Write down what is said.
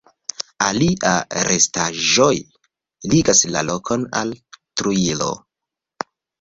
Alia restaĵoj ligas la lokon al Trujillo.